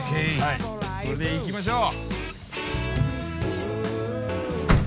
これで行きましょう。